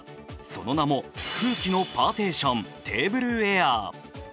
その名も、空気のパーテーションテーブルエアー。